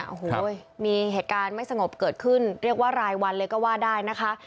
โอ้โหมีเหตุการณ์ไม่สงบเกิดขึ้นเรียกว่ารายวันเลยก็ว่าได้นะคะ